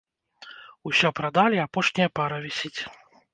Усё прадалі, апошняя пара вісіць.